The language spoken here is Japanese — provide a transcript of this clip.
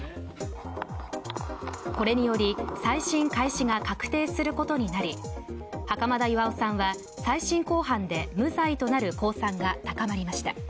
これにより、再審開始が確定することになり袴田巌さんは再審公判で無罪となる公算が高まりました。